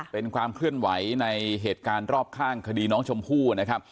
เป็นความเคลื่อนไหวในเหตุการณ์รอบข้างคดีน้องชมพู่นะครับ